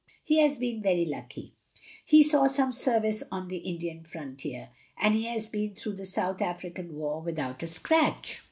"He has been very lucky. He saw some service on the Indian Frontier, and he has been through the South African War without a scratch.